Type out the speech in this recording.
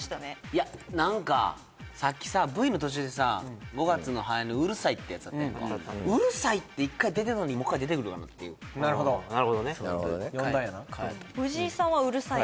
いや何かさっきさＶの途中でさ五月の蝿の「五月蝿い」ってやつあったやんか「うるさい」って１回出てんのにもう一回出てくるかなっていうなるほどなるほどね藤井さんは「うるさい」